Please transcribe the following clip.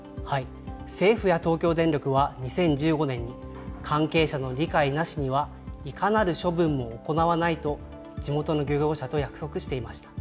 政府や東京電力は２０１５年に、関係者の理解なしには、いかなる処分も行わないと地元の漁業者と約束していました。